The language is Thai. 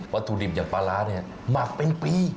ถุดิบอย่างปลาร้าเนี่ยหมักเป็นปี